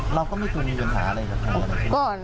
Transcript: เราก็ไม่เคยมีปัญหาอะไรกับใคร